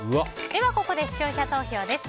ここで視聴者投票です。